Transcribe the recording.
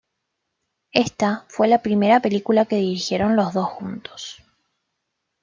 Ésta fue la primera película que dirigieron los dos juntos.